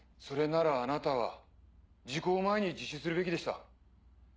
それならあなたは時効前に自首するべきでした。